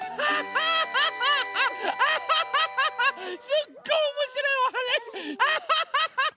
すっごいおもしろいおはなしアハハハ